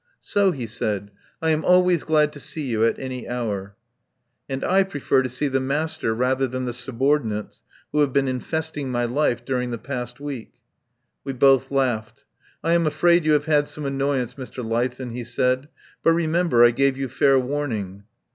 "So," he said. "I am always glad to see you at any hour." "And I prefer to see the master rather than the subordinates who have been infesting my life during the past week." We both laughed. "I am afraid you have had some annoyance, Mr. Leithen," he said. "But remember, I gave you fair warning."